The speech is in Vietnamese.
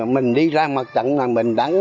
mình đi ra mặt trận là mình đánh